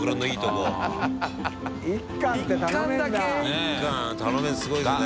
１貫頼めるすごいですね。